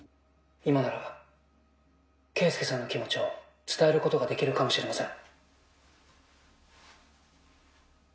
今なら圭介さんの気持ちを伝えることができるかもしれません。